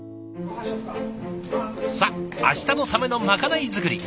さあ明日のためのまかない作り。